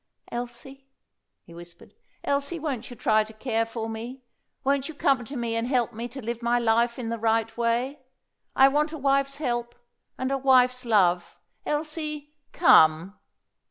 "Elsie," he whispered, "Elsie, won't you try to care for me? Won't you come to me and help me to live my life in the right way? I want a wife's help and a wife's love. Elsie, come!"